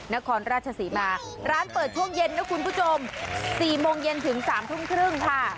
นครราชศรีมาร้านเปิดช่วงเย็นนะคุณผู้ชม๔โมงเย็นถึง๓ทุ่มครึ่งค่ะ